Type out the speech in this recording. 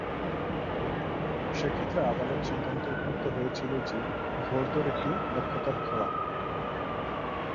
সেক্ষেত্রে আদালত সিদ্ধান্তে উপনীত হয়েছিল যে ঘোড়দৌড় একটি দক্ষতার খেলা।